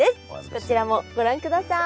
こちらもご覧ください。